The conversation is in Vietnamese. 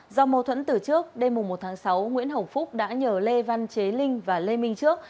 do mâu thuẫn từ trước đêm một tháng sáu nguyễn hồng phúc đã nhờ lê văn chế linh và lê minh trước